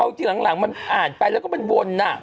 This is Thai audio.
ไม่รู้รางหลังมันอ่ายไปแล้วก็บนน่า